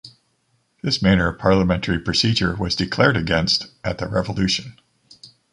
This manner of parliamentary procedure was declared against at the revolution.